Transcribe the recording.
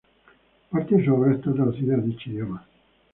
Parte de su obra está traducida a dicho idioma.